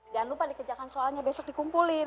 jangan lupa dikerjakan soalnya besok dikumpulin